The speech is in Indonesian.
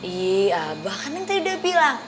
iya bahkan neng tadi udah bilang